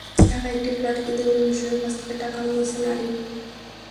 ঢাকায় একটি ফ্ল্যাট কিনতে নূর হোসেনের কাছ থেকে টাকাও নিয়েছেন আরিফ।